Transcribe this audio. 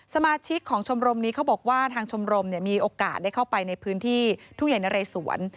สมาชิกของชมรมนี้เขาบอกว่าทางชมรมมีโอกาสได้เข้าไปในพื้นที่ทุ่งใหญ่นะเรสวน